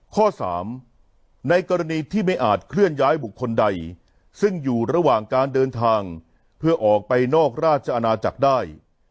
ข้อ๓ในกรณีที่ไม่อาจเคลื่อนย้ายบุคคลใดซึ่งอยู่ระหว่างการเดินทางเพื่อออกไปนอกราชอาณาจักรได้